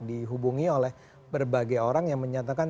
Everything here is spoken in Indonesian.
dihubungi oleh berbagai orang yang menyatakan